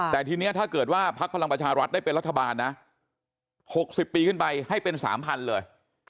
แต่ทีนี้ถ้าเกิดว่าพักพลังประชารัฐได้เป็นรัฐบาลนะ๖๐ปีขึ้นไปให้เป็น๓๐๐เลย